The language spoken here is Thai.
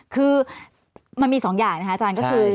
คือมันมี๒อย่างนะคะอาจารย์ก็คือ